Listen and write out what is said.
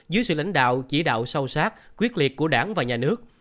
dưới sự lãnh đạo chỉ đạo sâu sát quyết liệt của đảng và nhà nước